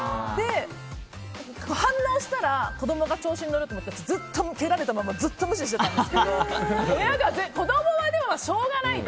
反応したら子供が調子に乗ると思って蹴られたままずっと無視していたんですけど子供はしょうがないと。